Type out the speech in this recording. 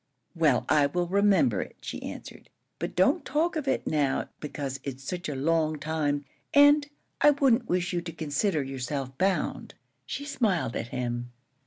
"Well, I will remember it," she answered; "but don't talk of it now, because it's such a long time; and I wouldn't wish you to consider yourself bound." She smiled at him.